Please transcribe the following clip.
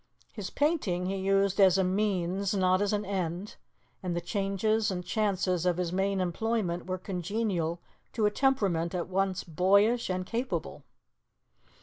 His painting he used as a means, not as an end, and the changes and chances of his main employment were congenial to a temperament at once boyish and capable.